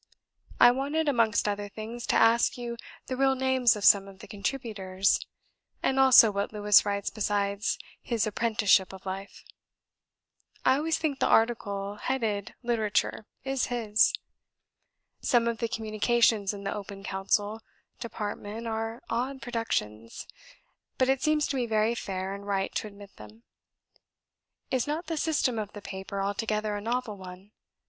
I wanted, amongst other things, to ask you the real names of some of the contributors, and also what Lewes writes besides his Apprenticeship of Life. I always think the article headed 'Literature' is his. Some of the communications in the 'Open Council' department are odd productions; but it seems to me very fair and right to admit them. Is not the system of the paper altogether a novel one?